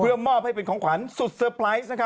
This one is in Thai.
เพื่อมอบให้เป็นของขวัญสุดเตอร์ไพรส์